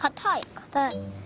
かたい。